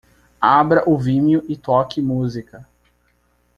Abra o Vimeo e toque música.